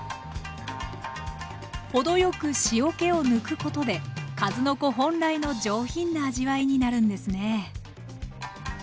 ほどよく塩けを抜くことで数の子本来の上品な味わいになるんですね。